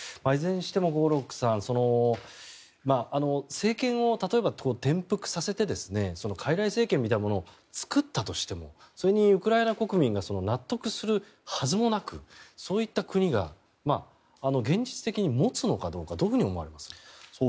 いずれにしても合六さん政権を例えば、転覆させてかいらい政権みたいなのを作ったとしてもそれにウクライナ国民が納得するはずもなくそういった国が現実的に持つのかどうかどういうふうに思われますか？